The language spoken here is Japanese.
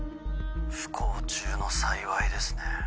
不幸中の幸いですね。